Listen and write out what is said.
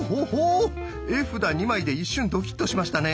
絵札２枚で一瞬ドキッとしましたね。